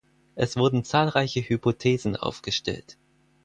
Es wurden zahlreiche Hypothesen aufgestellt.